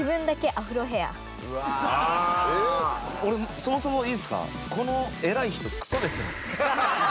そもそもいいですか？